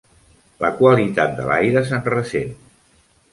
La qualitat de l'aire se'n ressent.